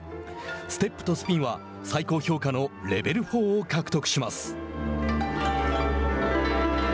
ステップとスピンは最高評価のレベル４を獲得します。